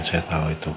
saya tahu itu kok